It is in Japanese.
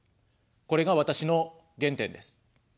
これが私の原点です。